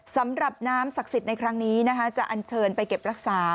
สำหรับน้ำศักดิ์สิทธิ์ในครั้งนี้นะคะจะอันเชิญไปเก็บรักษา